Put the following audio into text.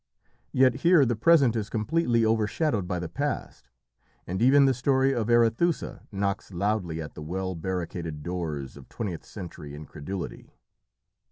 Yet here the present is completely overshadowed by the past, and even the story of Arethusa knocks loudly at the well barricaded doors of twentieth century incredulity.